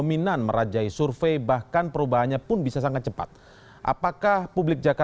menunjukkan ketatnya persaingan menuju dki satu